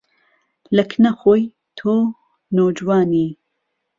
لە کنە خۆی تۆ نۆجوانی